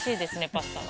パスタが。